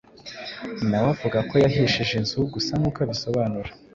nawe avuga ko yahishije inzu gusa nk’uko abisobanura